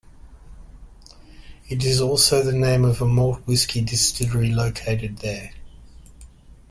It is also the name of a malt whisky distillery located there.